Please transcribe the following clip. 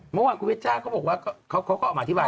เมื่อวานคุณเวช่าเขาบอกว่าเขาก็ออกมาอธิบาย